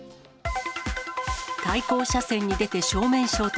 対向車線に出て正面衝突。